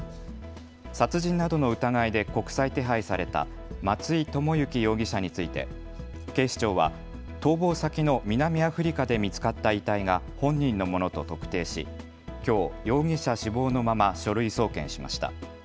殺人などの疑いで国際手配された松井知行容疑者について警視庁は逃亡先の南アフリカで見つかった遺体が本人のものと特定し、きょう容疑者死亡のまま書類送検しました。